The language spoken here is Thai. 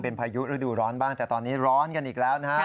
เป็นพายุฤดูร้อนบ้างแต่ตอนนี้ร้อนกันอีกแล้วนะฮะ